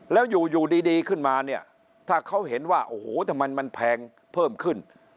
แล้วอยู่ดีขึ้นมาเนี่ยถ้าเขาเห็นว่าโอ้โหทำไมมันแพงเพิ่มขึ้น